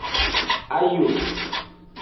Ayo.